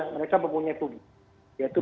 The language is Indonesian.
mereka mempunyai pubji yaitu